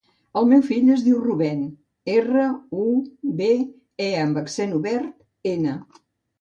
El meu fill es diu Rubèn: erra, u, be, e amb accent obert, ena.